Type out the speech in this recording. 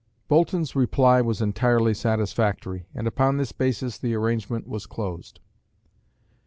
Boulton's reply was entirely satisfactory, and upon this basis the arrangement was closed.